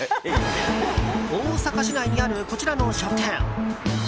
大阪市内にあるこちらの書店。